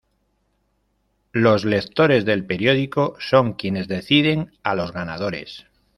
Los lectores del periódico son quienes deciden a los ganadores.